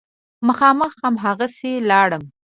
مخامخ هماغسې لاړم.